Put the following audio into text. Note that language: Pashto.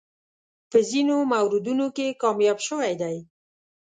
په ځینو موردونو کې کامیاب شوی دی.